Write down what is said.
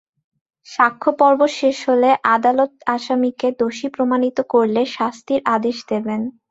সাক্ষ্যপর্ব শেষ হলে আদালত আসামিকে দোষী প্রমাণিত করলে শাস্তির আদেশ দেবেন।